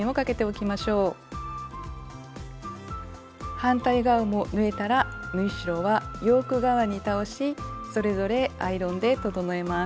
反対側も縫えたら縫い代はヨーク側に倒しそれぞれアイロンで整えます。